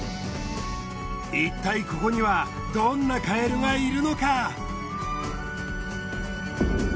いったいここにはどんなカエルがいるのか？